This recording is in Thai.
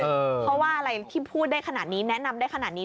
เพราะว่าอะไรที่พูดได้ขนาดนี้แนะนำได้ขนาดนี้